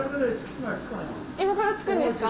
今からつくんですか？